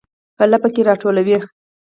په لپه کې راټوي